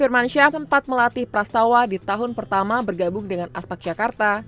mansyah sempat melatih prastawa di tahun pertama bergabung dengan aspek jakarta